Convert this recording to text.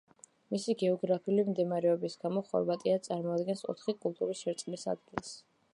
მისი გეოგრაფიული მდგომარეობის გამო, ხორვატია წარმოადგენს ოთხი კულტურის შერწყმის ადგილს.